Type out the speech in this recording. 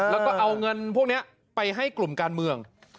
แล้วก็เอาเงินพวกนี้ไปให้กลุ่มการเมือง